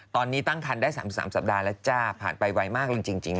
ตอนนี้ตั้งคันได้๓๓สัปดาห์แล้วจ้าผ่านไปไวมากจริง